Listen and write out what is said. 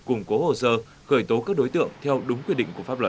củng cố hồ sơ khởi tố các đối tượng theo đúng quy định của pháp luật